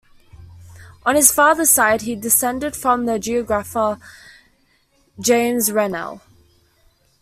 On his father's side he descended from the geographer James Rennell.